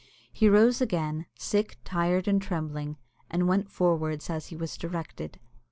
He rose again, sick, tired, and trembling, and went forwards as he was directed.